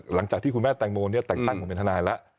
หลังจากที่คุณแม่แตงโมเนี่ยแต่งตั้งผมเป็นทนายแล้ว